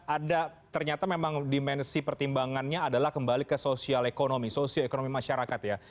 ada ternyata memang dimensi pertimbangannya adalah kembali ke sosio ekonomi masyarakat ya